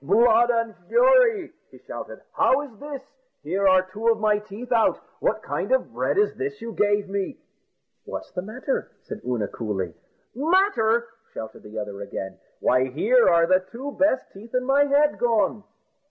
"Blood and fury!" he shouted; "how is this? Here are two of my teeth out! What kind of bread this is you gave me." "What's the matter?" said Oonagh coolly. "Matter!" shouted the other again; "why, here are the two best teeth in my head gone."